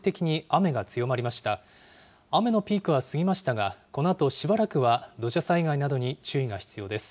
雨のピークは過ぎましたが、このあとしばらくは、土砂災害などに注意が必要です。